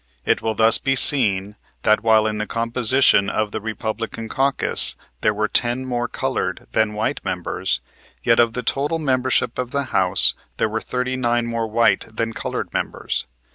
It will thus be seen that, while in the composition of the Republican caucus there were ten more colored than white members, yet of the total membership of the House there were thirty nine more white than colored members.